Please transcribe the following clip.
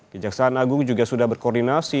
kejaksaan agung juga sudah berkoordinasi